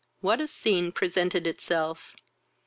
What a scene presented itself!